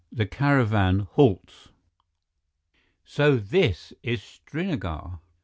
XV The Caravan Halts "So this is Srinagar!"